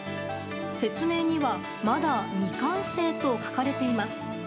説明にはまだ未完成と書かれています。